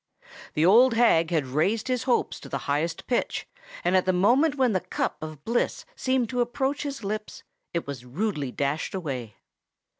The old hag had raised his hopes to the highest pitch; and at the moment when the cup of bliss seemed to approach his lips, it was rudely dashed away.